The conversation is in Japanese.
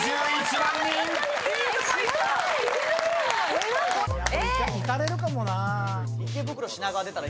これいかれるかもな。